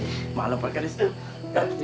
selamat malam pak kandis